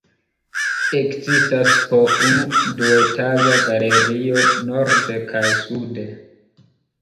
Ekzistas po unu duetaĝa galerio norde kaj sude.